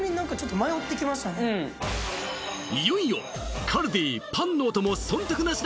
いよいよカルディパンのお供忖度なし